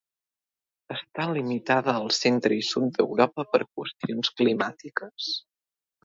Està limitada al centre i sud d'Europa per qüestions climàtiques.